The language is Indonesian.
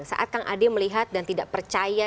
saat kang ade melihat dan tidak percaya